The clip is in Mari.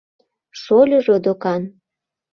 Шольыжо докан.